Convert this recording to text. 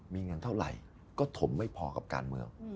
มีเงินเท่าไหร่ก็ถมไม่พอกับการเมือง